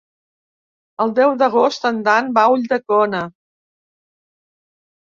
El deu d'agost en Dan va a Ulldecona.